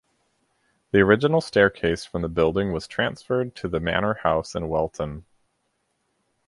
The original staircase from the building was transferred to the Manor House in Welton.